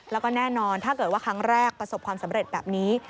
แล้วก็แน่นอนถ้าเกิดว่าครั้งแรกประสบความสำเร็จแบบนี้